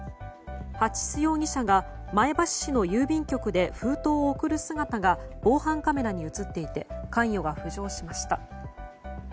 蜂須容疑者が前橋市の郵便局で封筒を送る姿が防犯カメラに映っていて関与が浮上しました。